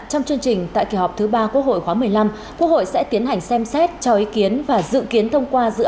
trong chương trình tại kỳ họp thứ ba